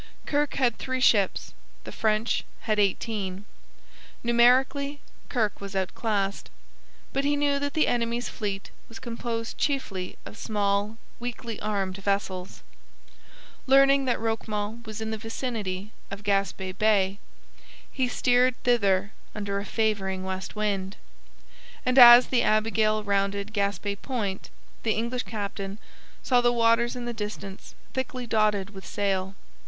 Kirke had three ships; the French had eighteen. Numerically Kirke was outclassed, but he knew that the enemy's fleet was composed chiefly of small, weakly armed vessels. Learning that Roquemont was in the vicinity of Gaspe Bay, he steered thither under a favouring west wind. And as the Abigail rounded Gaspe Point the English captain saw the waters in the distance thickly dotted with sail.